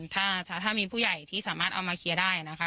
ถ้ามีผู้ใหญ่ที่สามารถเอามาเคลียร์ได้นะคะ